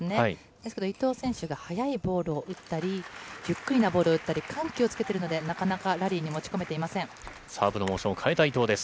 ですけど伊藤選手が速いボールを打ったり、ゆっくりなボールを打ったり、緩急をつけてるので、なかなかラリーに持ち込めていまサーブのモーションを変えた伊藤です。